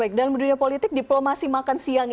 baik dalam dunia politik diplomasi makan siang